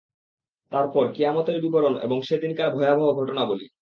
তারপর কিয়ামতের বিবরণ এবং সে দিনকার ভয়াবহ ঘটনাবলী।